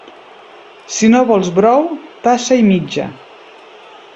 Si no vols brou, tassa i mitja.